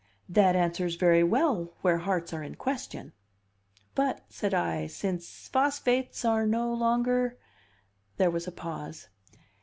"That answers very well where hearts are in question." "But," said I, "since phosphates are no longer ?" There was a pause.